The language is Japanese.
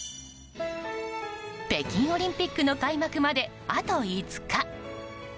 北京オリンピックの開幕まであと５日。